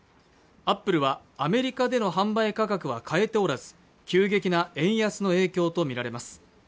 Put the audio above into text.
アップルはアメリカでの販売価格は変えておらず急激な円安の影響と見られます